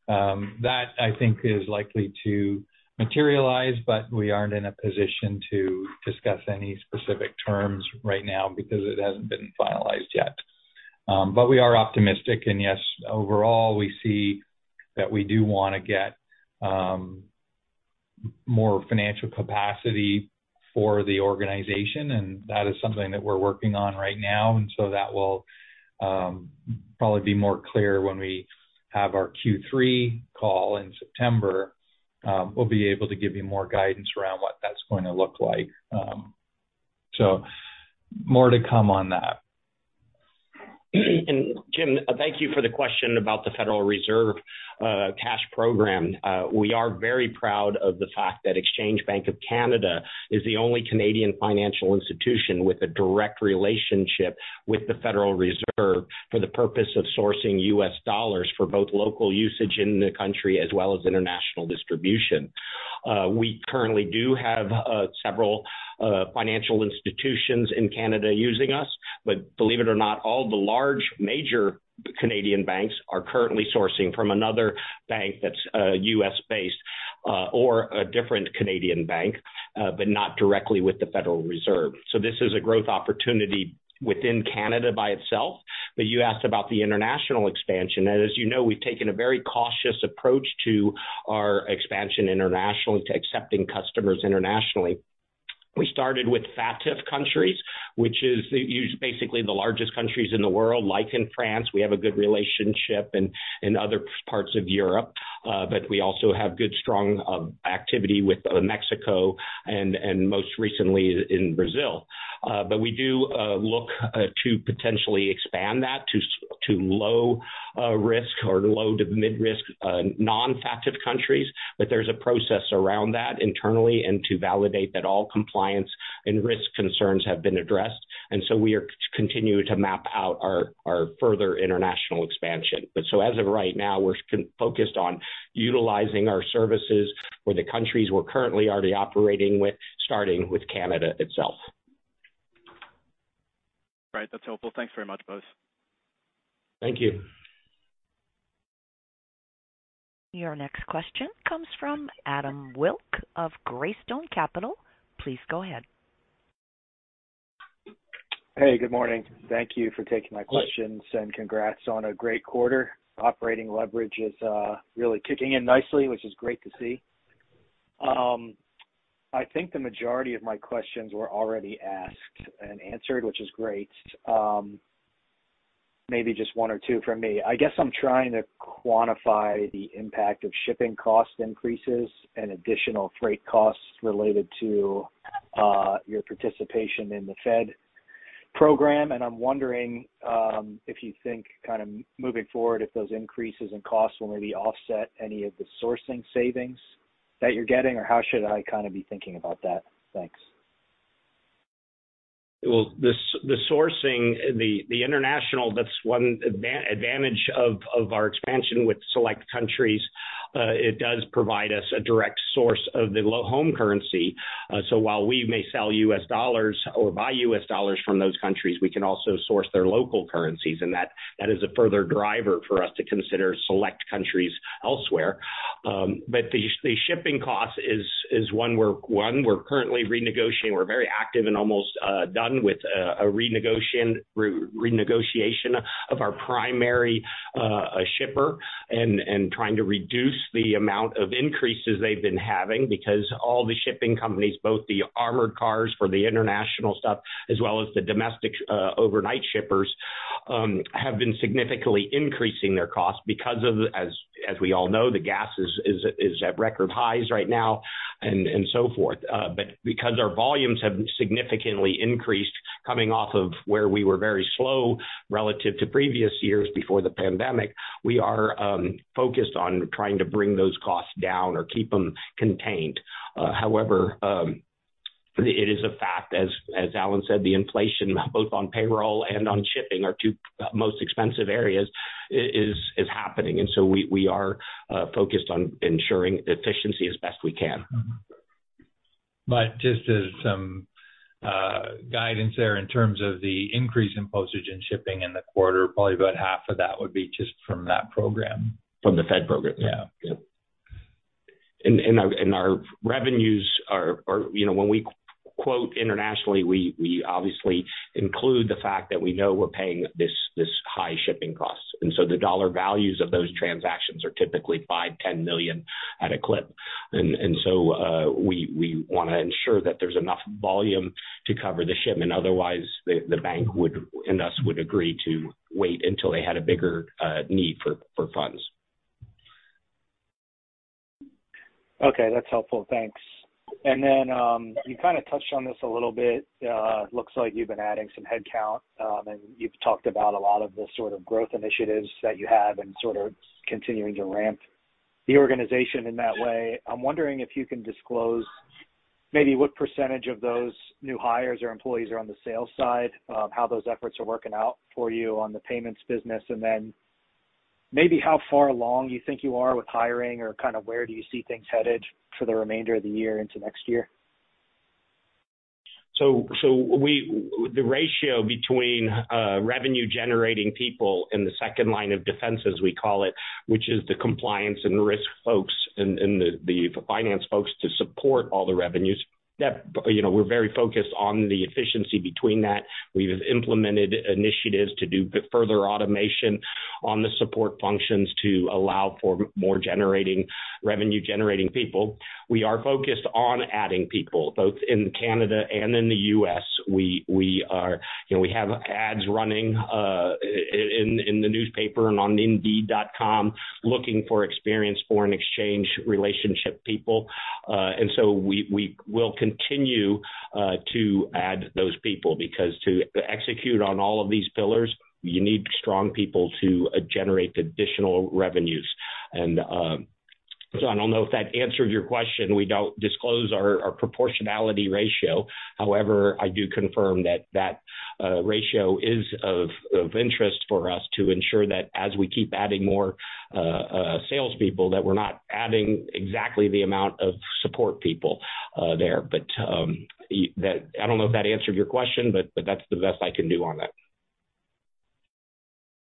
That I think is likely to materialize, but we aren't in a position to discuss any specific terms right now because it hasn't been finalized yet. We are optimistic. Yes, overall, we see that we do wanna get more financial capacity for the organization. That is something that we're working on right now. That will probably be more clear when we have our Q3 call in September. We'll be able to give you more guidance around what that's going to look like. More to come on that. James, thank you for the question about the Federal Reserve cash program. We are very proud of the fact that Exchange Bank of Canada is the only Canadian financial institution with a direct relationship with the Federal Reserve for the purpose of sourcing U.S. dollars for both local usage in the country as well as international distribution. We currently do have several financial institutions in Canada using us, but believe it or not, all the large major Canadian banks are currently sourcing from another bank that's U.S.-based or a different Canadian bank, but not directly with the Federal Reserve. This is a growth opportunity within Canada by itself. You asked about the international expansion. As you know, we've taken a very cautious approach to our expansion internationally to accepting customers internationally. We started with FATF countries, which is basically the largest countries in the world. Like in France, we have a good relationship, and in other parts of Europe. We also have good, strong, activity with Mexico and most recently in Brazil. We do look to potentially expand that to low risk or low to mid-risk non-FATF countries. There's a process around that internally and to validate that all compliance and risk concerns have been addressed. We continue to map out our further international expansion. As of right now, we're focused on utilizing our services for the countries we're currently already operating with, starting with Canada itself. Right. That's helpful. Thanks very much, Buzz. Thank you. Your next question comes from Adam Wilk of Greystone Capital. Please go ahead. Hey, good morning. Thank you for taking my questions and congrats on a great quarter. Operating leverage is really kicking in nicely, which is great to see. I think the majority of my questions were already asked and answered, which is great. Maybe just one or two from me. I guess I'm trying to quantify the impact of shipping cost increases and additional freight costs related to your participation in the Fed program. I'm wondering if you think kind of moving forward, if those increases in costs will maybe offset any of the sourcing savings that you're getting, or how should I kinda be thinking about that? Thanks. Well, the sourcing, the international, that's one advantage of our expansion with select countries. It does provide us a direct source of the local currency. While we may sell U.S. dollars or buy U.S. dollars from those countries, we can also source their local currencies, and that is a further driver for us to consider select countries elsewhere. The shipping cost is one we're currently renegotiating. We're very active and almost done with a renegotiation of our primary shipper and trying to reduce the amount of increases they've been having because all the shipping companies, both the armored cars for the international stuff as well as the domestic overnight shippers, have been significantly increasing their costs because of, as we all know, the gas is at record highs right now and so forth. Because our volumes have significantly increased coming off of where we were very slow relative to previous years before the pandemic, we are focused on trying to bring those costs down or keep them contained. However, it is a fact, as Alan said, the inflation both on payroll and on shipping are two most expensive areas is happening. We are focused on ensuring efficiency as best we can. Just some guidance there in terms of the increase in postage and shipping in the quarter, probably about half of that would be just from that program. From the Fed program? Yeah. You know, when we quote internationally, we obviously include the fact that we know we're paying this high shipping costs. The dollar values of those transactions are typically $5-10 million at a clip. We wanna ensure that there's enough volume to cover the shipment. Otherwise, the bank would thus agree to wait until they had a bigger need for funds. Okay. That's helpful. Thanks. You kinda touched on this a little bit. Looks like you've been adding some headcount, and you've talked about a lot of the sort of growth initiatives that you have and sort of continuing to ramp the organization in that way. I'm wondering if you can disclose maybe what percentage of those new hires or employees are on the sales side, how those efforts are working out for you on the payments business. Maybe how far along you think you are with hiring or kind of where do you see things headed for the remainder of the year into next year. The ratio between revenue generating people in the second line of defense, as we call it, which is the compliance and risk folks and the finance folks to support all the revenues that you know, we're very focused on the efficiency between that. We've implemented initiatives to do further automation on the support functions to allow for more revenue generating people. We are focused on adding people both in Canada and in the U.S. You know, we have ads running in the newspaper and on Indeed, looking for experienced foreign exchange relationship people. We will continue to add those people because to execute on all of these pillars, you need strong people to generate additional revenues. I don't know if that answered your question. We don't disclose our proportionality ratio. However, I do confirm that ratio is of interest for us to ensure that as we keep adding more salespeople, that we're not adding exactly the amount of support people there. I don't know if that answered your question, but that's the best I can do on that.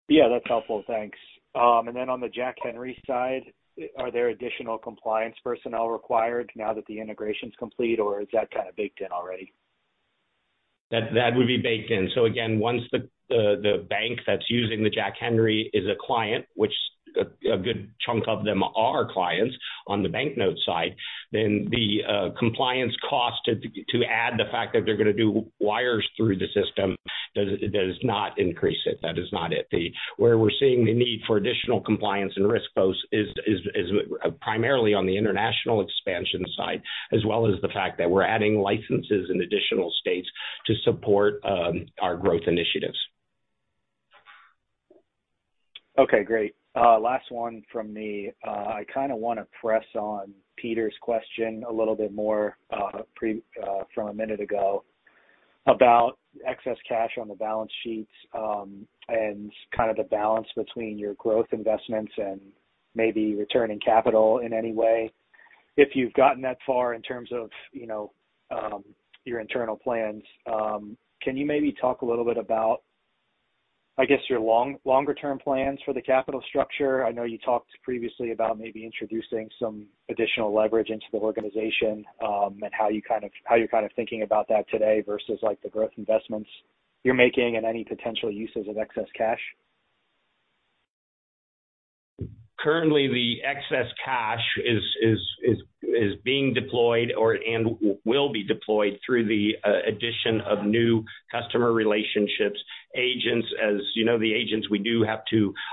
Yeah, that's helpful. Thanks. On the Jack Henry side, are there additional compliance personnel required now that the integration is complete, or is that kind of baked in already? That would be baked in. Again, once the bank that's using the Jack Henry is a client, which a good chunk of them are clients on the banknote side, then the compliance cost to add the fact that they're gonna do wires through the system does not increase it. That is not it. That's where we're seeing the need for additional compliance and risk posts is primarily on the international expansion side, as well as the fact that we're adding licenses in additional states to support our growth initiatives. Okay, great. Last one from me. I kinda wanna press on Peter's question a little bit more, from a minute ago about excess cash on the balance sheets, and kind of the balance between your growth investments and maybe returning capital in any way. If you've gotten that far in terms of, you know, your internal plans, can you maybe talk a little bit about, I guess, your longer term plans for the capital structure? I know you talked previously about maybe introducing some additional leverage into the organization, and how you're kind of thinking about that today versus, like, the growth investments you're making and any potential uses of excess cash. Currently, the excess cash is being deployed and will be deployed through the addition of new customer relationships. Agents, as you know,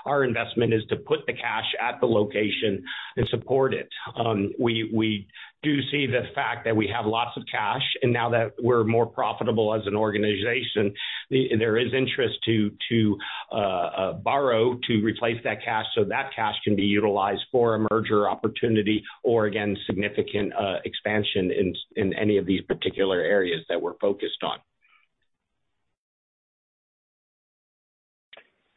our investment is to put the cash at the location and support it. We do see the fact that we have lots of cash, and now that we're more profitable as an organization, there is interest to borrow to replace that cash, so that cash can be utilized for a merger opportunity or again, significant expansion in any of these particular areas that we're focused on.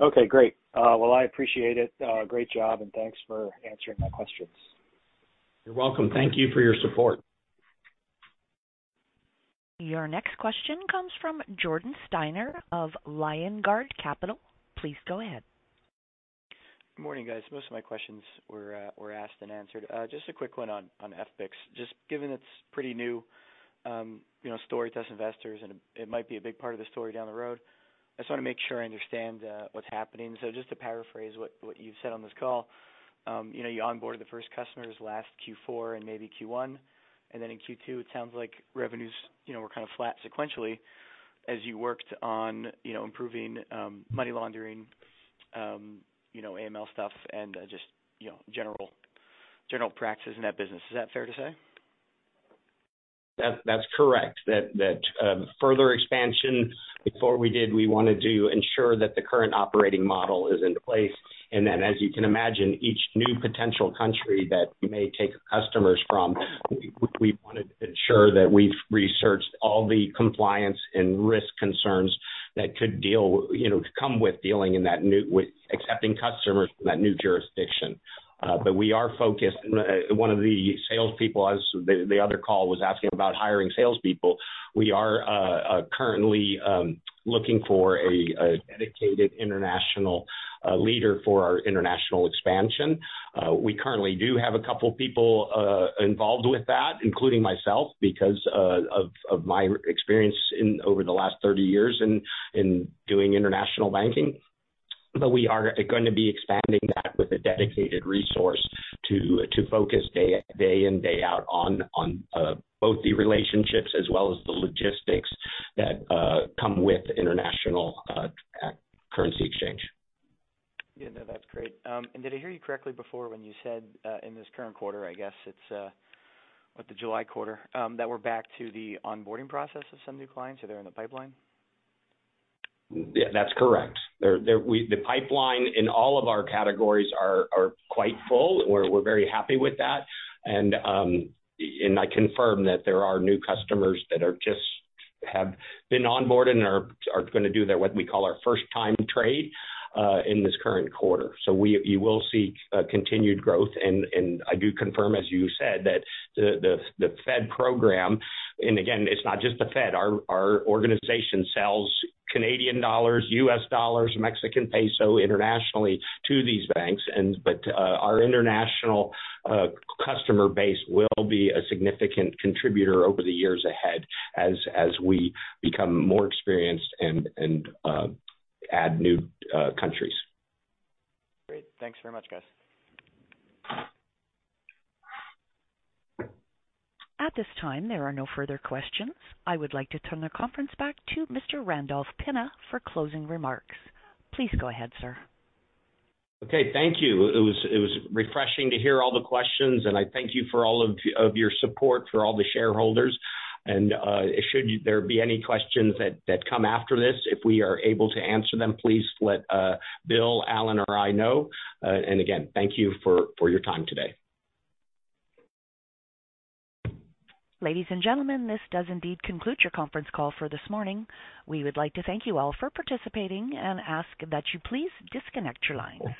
Okay, great. Well, I appreciate it. Great job, and thanks for answering my questions. You're welcome. Thank you for your support. Your next question comes from Jordan Steiner of LionGuard Capital Management. Please go ahead. Good morning, guys. Most of my questions were asked and answered. Just a quick one on FX. Just given it's pretty new, you know, story to us investors, and it might be a big part of the story down the road. I just wanna make sure I understand what's happening. Just to paraphrase what you've said on this call, you know, you onboarded the first customers last Q4 and maybe Q1, and then in Q2, it sounds like revenues, you know, were kind of flat sequentially as you worked on, you know, improving money laundering, you know, AML stuff and just, you know, general practices in that business. Is that fair to say? That's correct. That further expansion, before we did, we wanted to ensure that the current operating model is in place. As you can imagine, each new potential country that we may take customers from, we wanna ensure that we've researched all the compliance and risk concerns that could, you know, come with accepting customers from that new jurisdiction. We are focused. One of the salespeople, as the other call was asking about hiring salespeople. We are currently looking for a dedicated international leader for our international expansion. We currently do have a couple people involved with that, including myself, because of my experience in over the last 30 years in doing international banking. We are gonna be expanding that with a dedicated resource to focus day in, day out on both the relationships as well as the logistics that come with international currency exchange. Yeah, no, that's great. Did I hear you correctly before when you said, in this current quarter, I guess it's what the July quarter, that we're back to the onboarding process of some new clients? Or they're in the pipeline? Yeah, that's correct. The pipeline in all of our categories are quite full. We're very happy with that. I confirm that there are new customers that have just been onboarded and are gonna do their what we call first time trade in this current quarter. You will see continued growth. I do confirm, as you said, that the Fed program and again, it's not just the Fed. Our organization sells Canadian dollars, U.S. dollars, Mexican peso internationally to these banks. Our international customer base will be a significant contributor over the years ahead as we become more experienced and add new countries. Great. Thanks very much, guys. At this time, there are no further questions. I would like to turn the conference back to Mr. Randolph Pinna for closing remarks. Please go ahead, sir. Okay. Thank you. It was refreshing to hear all the questions, and I thank you for all of your support for all the shareholders. Should there be any questions that come after this, if we are able to answer them, please let Bill, Alan, or I know. Again, thank you for your time today. Ladies and gentlemen, this does indeed conclude your conference call for this morning. We would like to thank you all for participating and ask that you please disconnect your lines.